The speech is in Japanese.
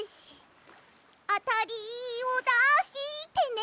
あたりをだしてね